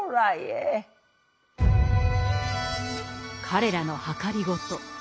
彼らのはかりごと。